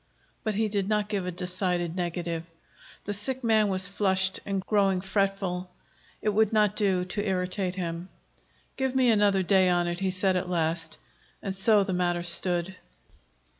But he did not give a decided negative. The sick man was flushed and growing fretful; it would not do to irritate him. "Give me another day on it," he said at last. And so the matter stood.